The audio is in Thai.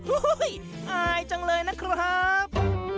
อายจังเลยนะครับ